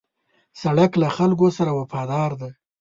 سړک له خلکو سره وفادار دی.